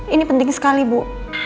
ini penting sekali bu